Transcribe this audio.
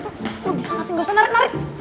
lo bisa ngasih gausah narik narik